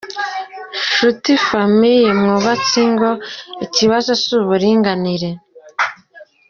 Nshuti famille mwubatse ingo ikibazo si uburinganire.